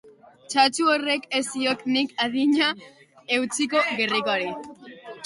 Txatxu horrek ez ziok nik adina eutsiko gerrikoari.